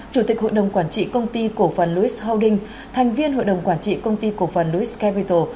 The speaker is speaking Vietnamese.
chủ tịch hội đồng quản trị công ty cổ phần lois holdings thành viên hội đồng quản trị công ty cổ phần ris capital